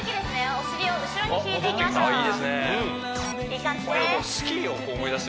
お尻を後ろに引いていきましょういい感じです